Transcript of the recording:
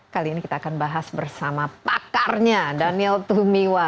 kali ini kita akan bahas bersama pakarnya daniel tumiwa